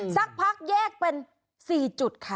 สักพักแยกเป็น๔จุดค่ะ